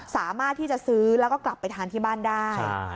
สามารถที่จะซื้อแล้วก็กลับไปทานที่บ้านได้